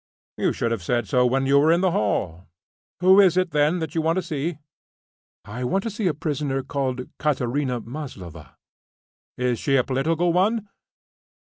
"You should have said so when you were in the hall. Who is it, then, that you want to see?" "I want to see a prisoner called Katerina Maslova." "Is she a political one?"